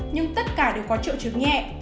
nhưng tất cả đều có triệu chứng nhẹ